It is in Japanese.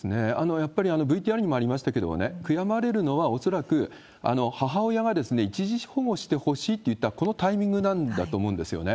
やっぱりＶＴＲにもありましたけれどもね、悔やまれるのはおそらく、母親が一時保護してほしいと言ったこのタイミングなんだと思うんですよね。